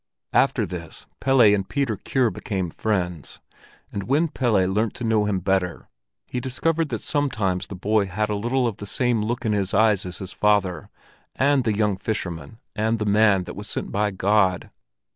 After this Pelle and Peter Kure became friends, and when Pelle learnt to know him better, he discovered that sometimes the boy had a little of the same look in his eyes as his father, and the young fisherman, and the man that was sent by God.